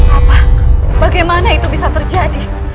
apa bagaimana itu bisa terjadi